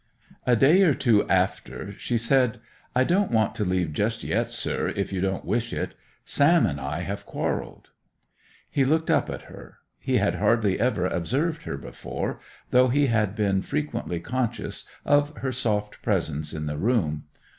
A day or two after she said: 'I don't want to leave just yet, sir, if you don't wish it. Sam and I have quarrelled.' He looked up at her. He had hardly ever observed her before, though he had been frequently conscious of her soft presence in the room.